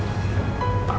nah unik smartfile